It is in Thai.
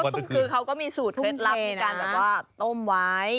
เขาก็ตุ้นคือเขาก็มีสูตรเท็ดลับที่การแบบว่าต้มไว้